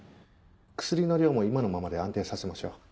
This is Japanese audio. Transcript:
薬の量も今のままで安定させましょう。